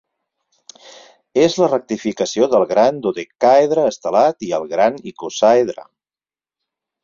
És la rectificació del gran dodecàedre estelat i el gran icosàedre.